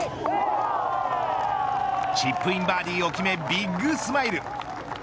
チップインバーディーを決めビッグスマイル。